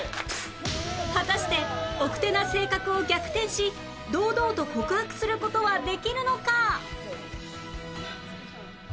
果たして奥手な性格を逆転し堂々と告白する事はできるのか？